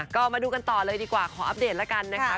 ก็มาดูกันต่อเลยดีกว่าขออัปเดตแล้วกันนะคะ